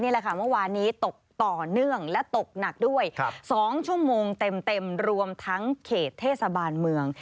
และตกหนักด้วย๒ชั่วโมงเต็มรวมทั้งเขตเทศบาลเมือง